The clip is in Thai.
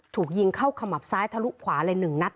ถูกยิงเข้าขมับซ้ายทะลุขวาเลย๑นัด